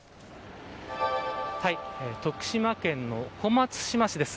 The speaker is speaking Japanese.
徳島県の小松島市です。